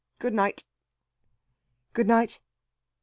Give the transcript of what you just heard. Good night!" "Good night!"